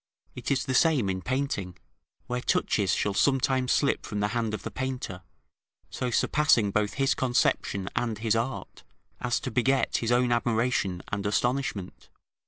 It is the same in painting, where touches shall sometimes slip from the hand of the painter, so surpassing both his conception and his art, as to beget his own admiration and astonishment.